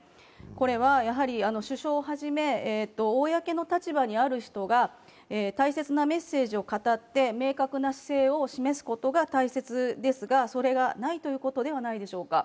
これは首相をはじめ、公の立場にある人が大切なメッセージを語って明確な姿勢を示すことが大切ですが、それがないということではないでしょうか。